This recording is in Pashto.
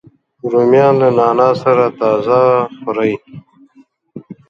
رومیان له نعناع سره تازه خوري